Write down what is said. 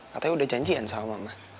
katanya udah janjian sama mama